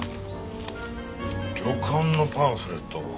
旅館のパンフレット？